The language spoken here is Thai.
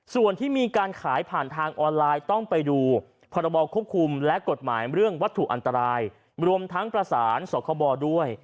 ส่วนที่มีการขายผ่านทางออนไลน์ต้องไปดูพรบควบคุมและกฎหมายเรื่องวัตถุอันตรายรวมทั้งประสานสคบด้วย